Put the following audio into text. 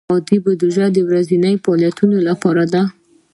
عادي بودیجه د ورځنیو فعالیتونو لپاره ده.